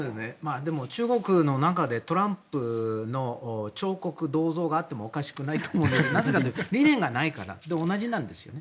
中国の中でトランプの彫刻、銅像があってもおかしくないと思いますがなぜかというと理念がないから同じなんですよね。